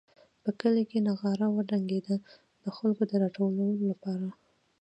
په کلي کې نغاره وډنګېده د خلکو د راټولولو لپاره.